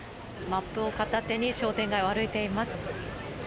マップを片手に商店街を歩いています。